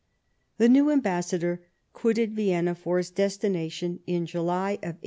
The new ambassador quitted Vienna for his destination in July, 1806.